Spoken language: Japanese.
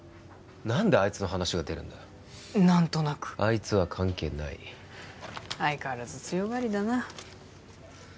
何であいつの話が出るんだ何となくあいつは関係ない相変わらず強がりだな